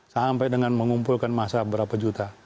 sampai dengan mengumpulkan massa berapa juta